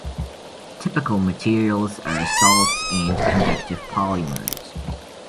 Typical materials are salts and conductive polymers.